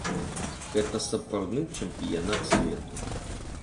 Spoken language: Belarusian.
Гэта сапраўдны чэмпіянат свету.